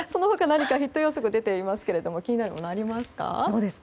ヒット予測が出ていますが気になるものありますか？